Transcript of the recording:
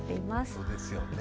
そうですよね。